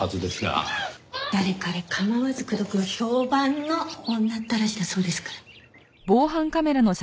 誰彼構わず口説くわ評判の女ったらしだそうですから。